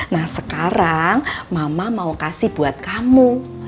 nah sekarang mama mau kasih buat kamu